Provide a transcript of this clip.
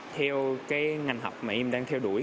theo ngành học mà em đang theo đuổi